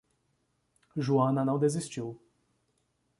Joana não desistiu.